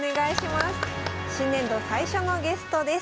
新年度最初のゲストです。